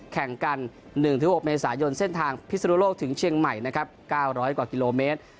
แข่งกัน๑๖เมษายนเส้นทางพิศนุโลกถึงเชียงใหม่นะครับ๙๐๐กว่ากิโลเมตร